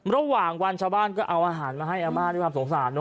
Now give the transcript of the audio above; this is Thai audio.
ระหว่างวันชาวบ้านก็เอาอาหารมาให้อาม่าด้วยความสงสาร